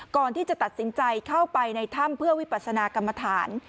ก่อนที่จะตัดสินใจเข้าไปในถ้ำเพื่อวิปัสนากรรมฐาน